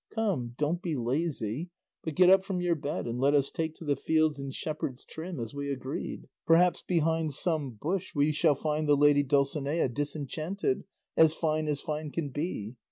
Come, don't be lazy, but get up from your bed and let us take to the fields in shepherd's trim as we agreed. Perhaps behind some bush we shall find the lady Dulcinea disenchanted, as fine as fine can be.